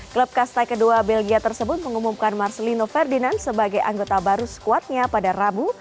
klub kasta kedua belgia tersebut mengumumkan marcelino ferdinand sebagai anggota baru skuadnya pada rabu